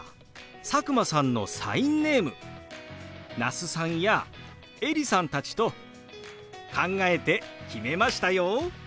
佐久間さんのサインネーム那須さんやエリさんたちと考えて決めましたよ。